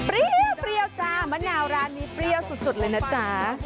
เปรี้ยวจ้ามะนาวร้านนี้เปรี้ยวสุดเลยนะจ๊ะ